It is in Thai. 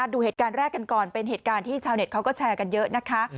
ดูเหตุการณ์แรกกันก่อนเป็นเหตุการณ์ที่ชาวเน็ตเขาก็แชร์กันเยอะนะคะ